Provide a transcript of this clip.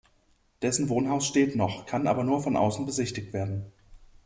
Dessen Wohnhaus steht noch, kann aber nur von außen besichtigt werden.